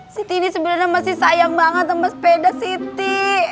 siti ini sebenernya masih sayang banget sama sepeda siti